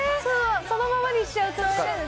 そのままにしちゃうとね。